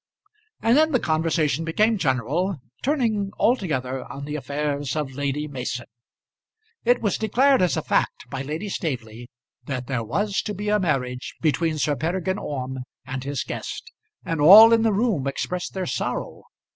And then the conversation became general, turning altogether on the affairs of Lady Mason. It was declared as a fact by Lady Staveley that there was to be a marriage between Sir Peregrine Orme and his guest, and all in the room expressed their sorrow.